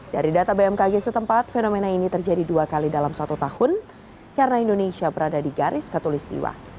dari data bmkg setempat fenomena ini terjadi dua kali dalam satu tahun karena indonesia berada di garis katulistiwa